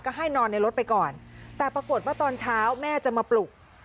ก็ให้นอนในรถไปก่อนแต่ปรากฏว่าตอนเช้าแม่จะมาปลุก